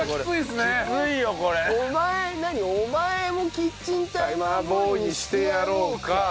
キッチンタイマーボーイにしてやろうか！